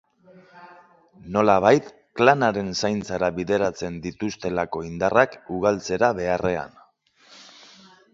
Nolabait klanaren zaintzara bideratzen dituztelako indarrak ugaltzera beharrean.